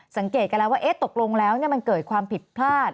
สังเกตกันแล้วว่าตกลงแล้วมันเกิดความผิดพลาด